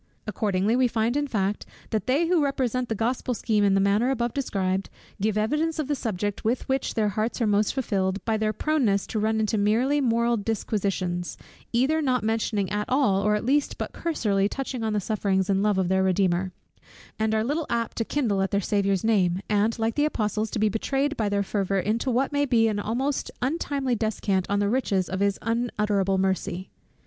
Accordingly, we find in fact, that they who represent the Gospel scheme in the manner above described, give evidence of the subject with which their hearts are most filled, by their proneness to run into merely moral disquisitions, either not mentioning at all, or at least but cursorily touching on the sufferings and love of their Redeemer; and are little apt to kindle at their Saviour's name, and like the apostles to be betrayed by their fervor into what may be almost an untimely descant on the riches of his unutterable mercy.